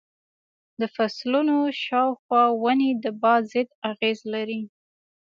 د فصلونو شاوخوا ونې د باد ضد اغېز لري.